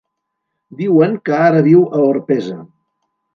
Diuen que ara viu a Orpesa.